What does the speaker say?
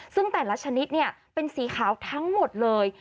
ซึ่งแต่ละชนิดเนี่ยเป็นสีขาวทั้งหมดเลย